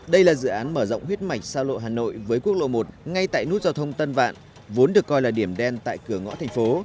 đây là dự án mở rộng huyết mạch xa lộ hà nội với quốc lộ một ngay tại nút giao thông tân vạn vốn được coi là điểm đen tại cửa ngõ thành phố